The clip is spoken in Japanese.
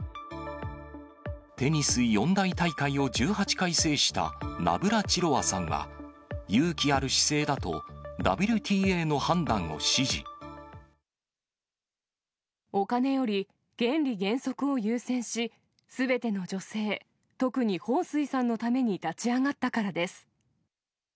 テニス四大大会を１８回制したナブラチロワさんは、勇気ある姿勢だと、お金より原理原則を優先し、すべての女性、特に彭帥さんのために立ち上がったからです。